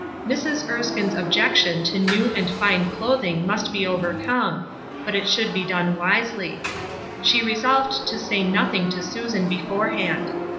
Mrs. Erskine's objection to new and fine clothing must be overcome, but it should be doue wisely. She resolved to say nothing to Susan beforehand.